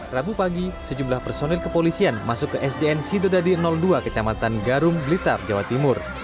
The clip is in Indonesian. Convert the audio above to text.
rabu pagi sejumlah personil kepolisian masuk ke sdn sidodadi dua kecamatan garung blitar jawa timur